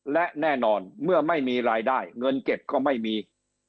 และแน่นอนเมื่อไม่มีรายได้เงินเก็บก็ไม่มี